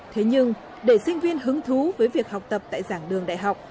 thế nhưng để sinh viên hứng thú với việc học tập tại giảng đường đại học